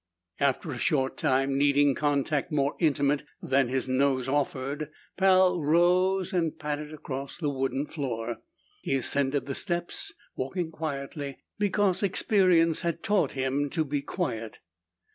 After a short time, needing contact more intimate than his nose offered, Pal rose and padded across the wooden floor. He ascended the steps, walking quietly because experience had taught him to be quiet.